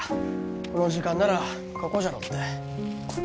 この時間ならここじゃろって。